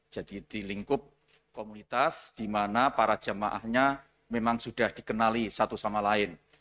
jadi dilingkup komunitas di mana para jemaahnya memang sudah dikenali satu sama lain